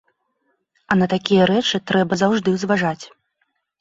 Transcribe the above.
А на такія рэчы трэба заўжды зважаць.